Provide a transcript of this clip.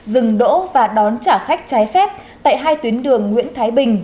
dừng đỗ và đón trả khách trái phép tại hai tuyến đường nguyễn thái bình